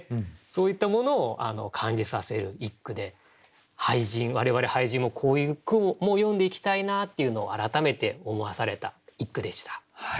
そういったものを感じさせる一句で我々俳人もこういう句も詠んでいきたいなっていうのを改めて思わされた一句でした。